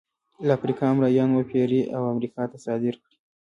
له افریقا مریان وپېري او امریکا ته صادر کړي.